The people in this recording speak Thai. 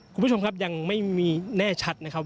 คุณผู้ชมครับยังไม่มีแน่ชัดนะครับ